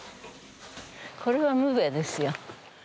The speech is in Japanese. これはむべですよ。